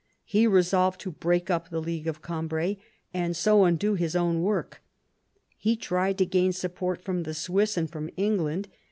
He resolved to break up the League of Gambrai, and so undo his own work. He tried to gain support from the Swiss and from England.